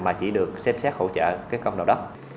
mà chỉ được xét xét hỗ trợ công đạo đất